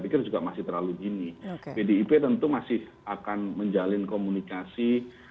pikir juga masih terlalu dini pdip tentu masih akan menjalin komunikasi